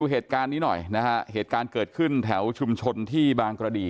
เหตุการณ์นี้หน่อยนะฮะเหตุการณ์เกิดขึ้นแถวชุมชนที่บางกระดี